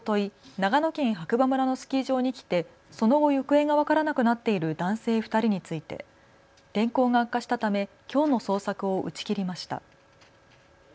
長野県白馬村のスキー場に来てその後、行方が分からなくなっている男性２人について天候が悪化したためきょうの捜索を打ち切りました。